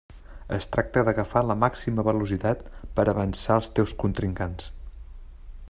Es tracta d'agafar la màxima velocitat per avançar els teus contrincants.